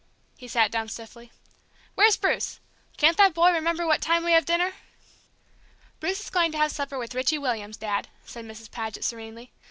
He sat down stiffly. "Where's Bruce? Can't that boy remember what time we have dinner?" "Bruce is going to have supper with Richie Williams, Dad," said Mrs. Paget, serenely.